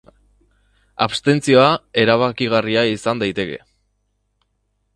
Abstentzioa erabakigarria izan daiteke.